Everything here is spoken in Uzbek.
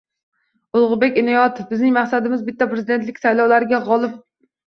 Ulug‘bek Inoyatov: “Bizning maqsadimiz bitta — Prezidentlik saylovlarida g‘olib bo‘lish”